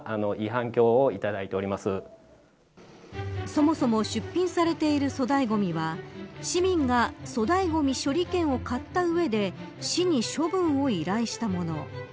そもそも出品されている粗大ごみは市民が粗大ごみ処理券を買った上で市に処分を依頼したもの。